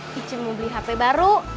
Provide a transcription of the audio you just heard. kicing mau beli hp baru